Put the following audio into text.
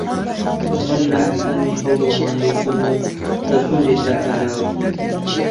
ئەمەش لە ئەنجامی هەوڵ و ماندووبوون و ئەزموون دێتە ئاراوە